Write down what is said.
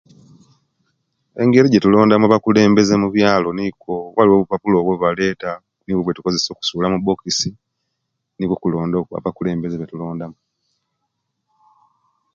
Engeri ejetulonda mu abakulembezi omubyalo nikwo bwaliwo obupapula obubaleta obwetukozewa okusula mu boxi nokwo okulonda abakulembezi okwetulanda mu